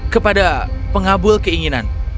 kepada pengabul keinginan